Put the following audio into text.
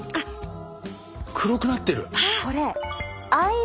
黒くなってる！